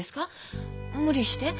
無理して？